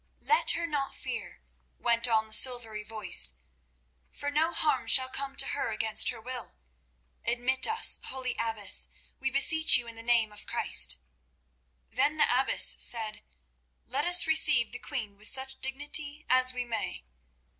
"Let her not fear," went on the silvery voice, "for no harm shall come to her against her will. Admit us, holy Abbess, we beseech you in the name of Christ." Then the abbess said, "Let us receive the queen with such dignity as we may."